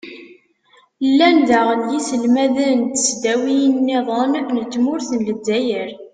llan daɣen yiselmaden n tesdawin-nniḍen n tmurt n lezzayer.